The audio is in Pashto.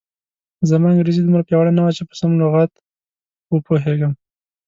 زما انګریزي دومره پیاوړې نه وه چې په سم لغت و پوهېږم.